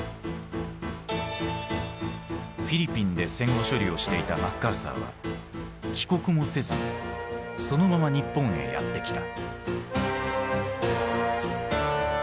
フィリピンで戦後処理をしていたマッカーサーは帰国もせずそのまま日本へやって来た。